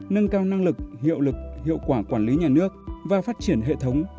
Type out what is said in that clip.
nâng cao năng lực hiệu lực hiệu quả quản lý nhà nước và phát triển hệ thống